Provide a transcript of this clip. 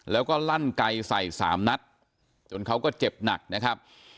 แล้วก็ลั่นไกลใส่สามนัดจนเขาก็เจ็บหนักนะครับ